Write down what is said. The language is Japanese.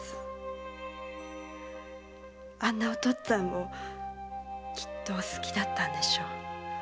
あんなお父っつぁんをきっと好きだったんでしょう。